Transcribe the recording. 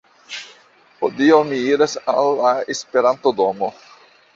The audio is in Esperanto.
Hodiaŭ mi iras al la Esperanto-domo